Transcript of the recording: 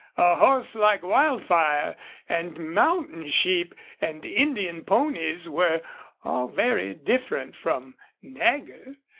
A horse like Wildfire, and mountain sheep and Indian ponies, were all very different from Nagger.